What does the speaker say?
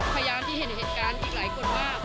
พยานที่เห็นเหตุการณ์อีกหลายคนว่า